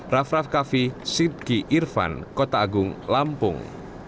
rafraf kaffi sipki irfan kota agung lampung